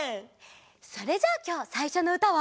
それじゃあきょうさいしょのうたは。